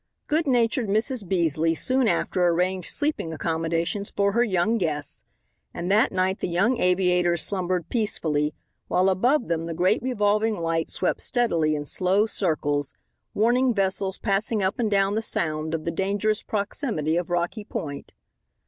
Good natured Mrs. Beasley soon after arranged sleeping accommodations for her young guests, and that night the young aviators slumbered peacefully, while above them the great revolving light swept steadily in slow circles, warning vessels passing up and down the Sound of the dangerous proximity of Rocky Point.